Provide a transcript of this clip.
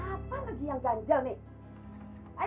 tapi saya udah nggak ada uang pak